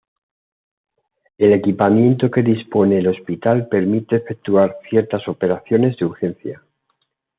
El equipamiento que dispone el hospital permite efectuar ciertas operaciones de urgencia.